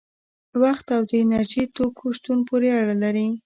وخت او د انرژي توکو شتون پورې اړه لري.